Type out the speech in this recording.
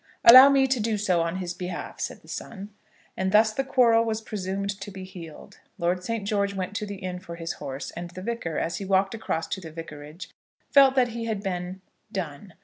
"Allow me to do so on his behalf," said the son. And thus the quarrel was presumed to be healed. Lord St. George went to the inn for his horse, and the Vicar, as he walked across to the vicarage, felt that he had been done.